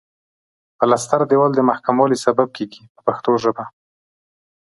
پلستر دېوال د محکموالي سبب کیږي په پښتو ژبه.